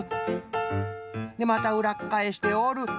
でまたうらっかえしておる。